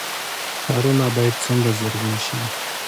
ښارونه باید څنګه زرغون شي؟